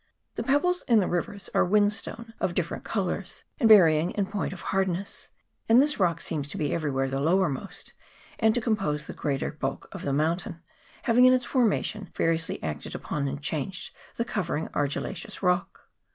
The pebbles in the rivers are whinstone of different CHAP. XIV.] LAURISTON BAY. 225 colours, and varying in point of hardness, and this rock seems to be everywhere the lowermost, and to compose the greater bulk of the mountain, having in its formation variously acted upon and changed the covering argillaceous rock.